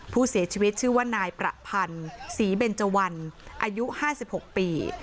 ผู้เสียชีวิตชื่อว่านายประพันธ์สีเบนเจาันอายุห้าสิบหกปี